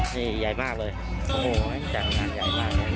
นี่ใหญ่มากเลย